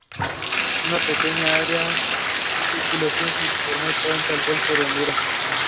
It is the largest department store with the highest annual revenue in the city.